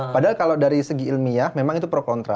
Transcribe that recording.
padahal kalau dari segi ilmiah memang itu pro kontra